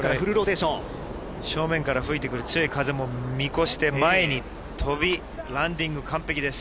正面から吹いてくる強い風も見越して前に飛び、ランディング完璧です。